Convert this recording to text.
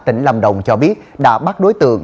tỉnh lâm động cho biết đã bắt đối tượng